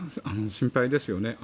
心配ですよね。